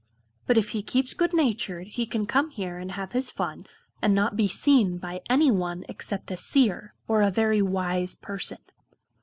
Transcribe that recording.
But, if he keeps good natured, he can come here and have his fun, and not be seen by any one except a Seer, or very wise person.